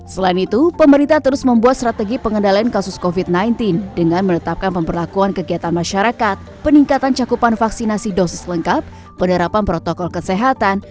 selain itu pemerintah terus membuat strategi pengendalian kasus covid sembilan belas dengan menetapkan pemberlakuan kegiatan masyarakat peningkatan cakupan vaksinasi dosis lengkap penerapan protokol kesehatan